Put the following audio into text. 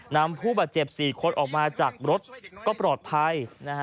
นำผู้บาดเจ็บ๔คนออกมาจากรถก็ปลอดภัย